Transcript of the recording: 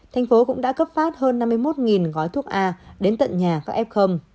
thành phố cũng đã cấp phát hơn năm mươi một gói thuốc a đến tận nhà các f